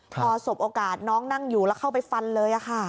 พอสบโอกาสน้องนั่งอยู่แล้วเข้าไปฟันเลยค่ะ